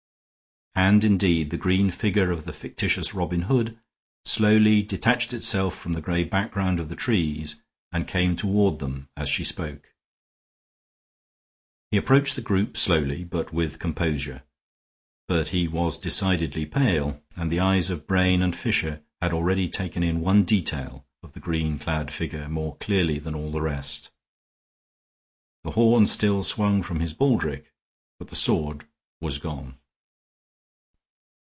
And, indeed, the green figure of the fictitious Robin Hood slowly detached itself from the gray background of the trees, and came toward them as she spoke. He approached the group slowly, but with composure; but he was decidedly pale, and the eyes of Brain and Fisher had already taken in one detail of the green clad figure more clearly than all the rest. The horn still swung from his baldrick, but the sword was gone.